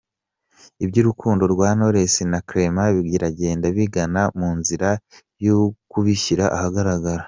Iby’urukundo rwa Knowless na Clement biragenda bigana mu nzira yo kubishyira ahagaragara.